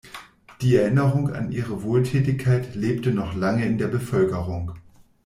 Die Erinnerung an ihre Wohltätigkeit lebte noch lange in der Bevölkerung.